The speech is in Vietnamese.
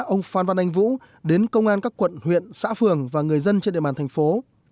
ông phan văn anh vũ đến công an các quận huyện xã phường và người dân trên địa bàn thành phố